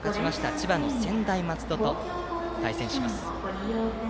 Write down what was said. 千葉の専大松戸と対戦をします。